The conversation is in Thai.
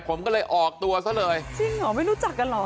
ผมก็เลยออกตัวซะเลยจริงเหรอไม่รู้จักกันเหรอ